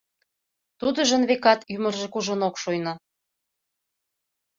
Тудыжын, векат, ӱмыржӧ кужун ок шуйно.